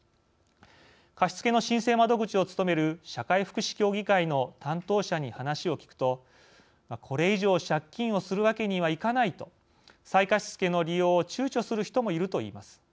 貸付の申請窓口を務める社会福祉協議会の担当者に話を聞くとこれ以上借金をするわけにはいかないと再貸付の利用をちゅうちょする人もいるといいます。